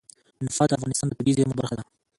نفت د افغانستان د طبیعي زیرمو برخه ده.